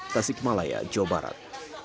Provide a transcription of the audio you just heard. tasik malaya jawa barat